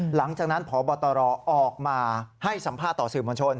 หลังจากนั้นพบตรออกมาให้สัมภาษณ์ต่อสื่อมวลชน